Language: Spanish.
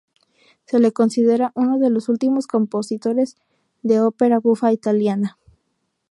Se le considera uno de los últimos compositores de ópera buffa italiana.